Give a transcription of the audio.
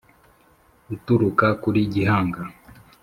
uturuka kuri gihanga